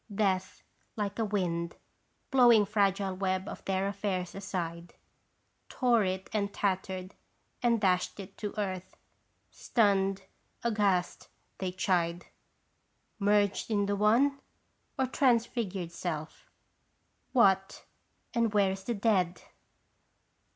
Death, like a wind, blowing fragile web of their affairs aside, Tore it and tattered and dashed it to earth, stunned, aghast, they chide : Merged in the One? Or transfigured self ? What and where is the dead